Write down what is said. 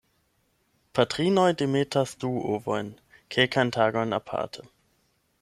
Patrinoj demetas du ovojn, kelkajn tagojn aparte.